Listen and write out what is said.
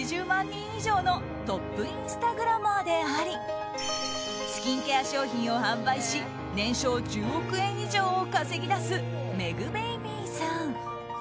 人以上のトップインスタグラマーでありスキンケア商品を販売し年商１０億円以上を稼ぎ出すメグベイビーさん。